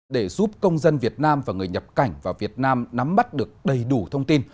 để giúp công dân việt nam và người nhập cảnh vào việt nam nắm bắt được đầy đủ thông tin